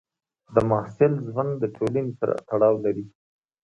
د محصل ژوند د ټولنې سره تړاو لري.